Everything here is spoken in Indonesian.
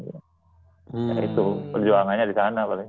ya itu perjuangannya di sana paling